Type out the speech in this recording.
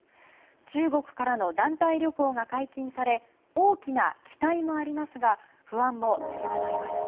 中国からの団体旅行が解禁され大きな期待もありますが不安も付きまといます。